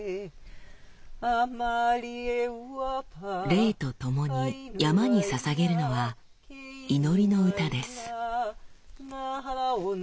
レイとともに山に捧げるのは祈りの歌です。